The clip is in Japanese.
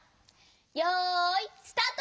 よいスタート！